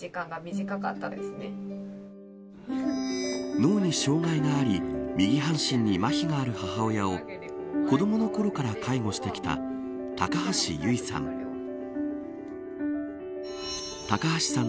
脳に障害があり右半身にまひがある母親を子どものころから介護してきた高橋唯さん。